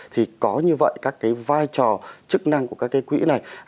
thì có như vậy các cái vai trò chức năng của các cái quỹ này